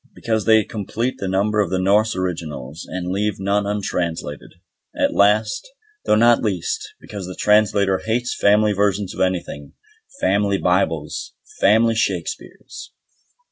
Because they complete the number of the Norse originals, and leave none untranslated. And last, though not least, because the Translator hates family versions of anything, "Family Bibles", "Family Shakespeares".